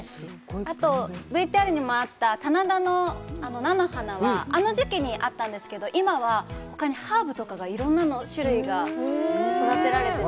あとＶＴＲにもあった棚田の菜の花はあの時期にあったんですけど、今は、ほかにハーブとかいろんな種類が育てられてて。